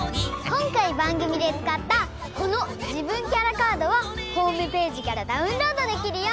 こんかいばんぐみでつかったこの「じぶんキャラカード」はホームページからダウンロードできるよ。